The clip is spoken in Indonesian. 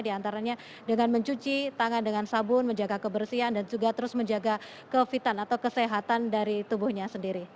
diantaranya dengan mencuci tangan dengan sabun menjaga kebersihan dan juga terus menjaga kevitan atau kesehatan dari tubuhnya sendiri